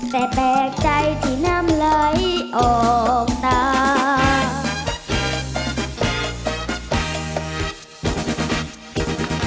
แต่แปลกใจที่น้ำไหลออกตา